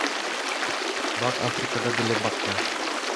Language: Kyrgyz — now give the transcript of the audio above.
Бак Африкада деле бак да.